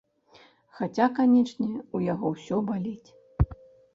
Хаця, канечне, у яго ўсё баліць.